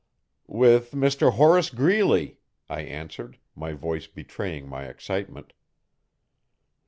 'With Mr Horace Greeley,' I answered, my voice betraying my excitement.